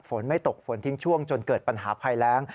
ฝนไม่ตกฝนทิ้งช่วงจนเกิดปัญหาภัยแรง